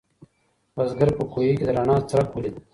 بزګر په کوهي کې د رڼا څرک ولید.